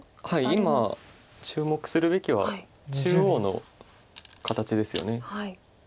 今注目するべきは中央の形ですよね。